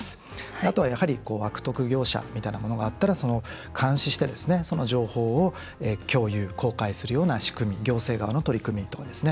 あとは、やはり悪徳業者みたいなものがあったら監視してその情報を共有、公開するような仕組み行政側の取り組みですね。